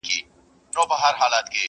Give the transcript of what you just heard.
ور په زړه یې تش دېګدان د خپل ماښام سو,